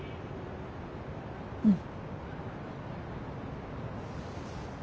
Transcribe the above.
うん。